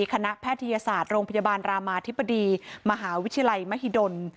คณะแพทยศาสตร์โรงพยาบาลรามาธิบดีมหาวิทยาลัยมหิดล